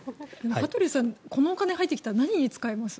羽鳥さん、このお金が入ってきたら何に使います？